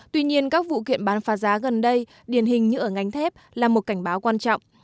tuy nhiên các vụ kiện bán phá giá gần đây điển hình như ở ngành thép là một cảnh báo quan trọng